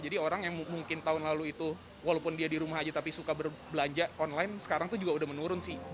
jadi orang yang mungkin tahun lalu itu walaupun dia di rumah aja tapi suka belanja online sekarang tuh juga udah menurun sih